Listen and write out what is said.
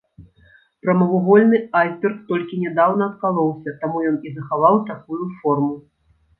Прамавугольны айсберг толькі нядаўна адкалоўся, таму ён і захаваў такую форму.